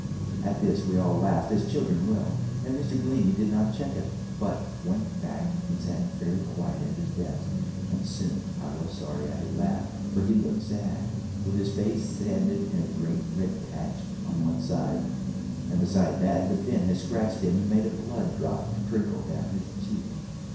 At this we all laughed, as children will, and Mr. Glennie did not check us, but went back and sat very quiet at his desk; and soon I was sorry I had laughed, for he looked sad, with his face sanded and a great red patch on one side, and beside that the fin had scratched him and made a blood drop trickle down his cheek.